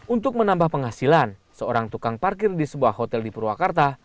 untuk menambah penghasilan seorang tukang parkir di sebuah hotel di purwakarta